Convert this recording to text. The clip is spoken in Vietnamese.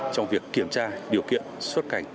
trong việc kiểm tra điều kiện xuất cảnh